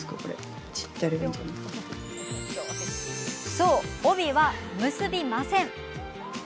そう、帯は結びません。